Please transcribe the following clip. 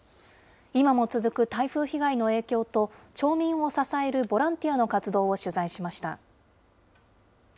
今も続く台風被害の影響と、町民を支えるボランティアの活動を取材しました。